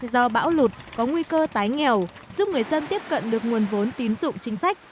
do bão lụt có nguy cơ tái nghèo giúp người dân tiếp cận được nguồn vốn tín dụng chính sách